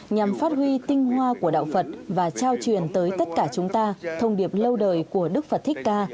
nhằm phát huy tinh hoa của đạo phật và trao truyền tới tất cả chúng ta thông điệp lâu đời của đức phật thích ca